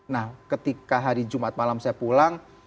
nah ketika hari jumat malam saya pulang